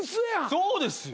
そうですよ。